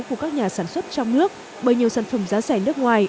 của các nhà sản xuất trong nước bởi nhiều sản phẩm giá rẻ nước ngoài